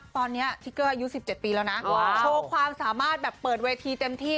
ตอนนี้ทิเกอร์อายุ๑๗ปีแล้วนะโชว์ความสามารถแบบเปิดเวทีเต็มที่